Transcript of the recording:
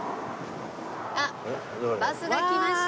あっバスが来ました。